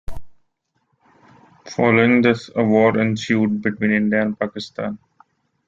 Following this, a war ensued between India and Pakistan.